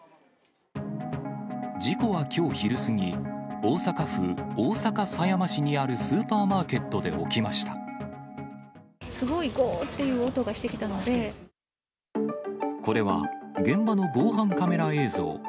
事故はきょう昼過ぎ、大阪府大阪狭山市にあるスーパーマーケットすごい、これは、現場の防犯カメラ映像。